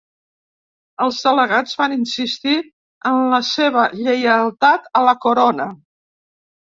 Els delegats van insistir en la seva lleialtat a la corona.